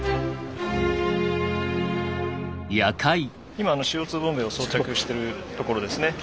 今ＣＯ２ボンベを装着してるところですね。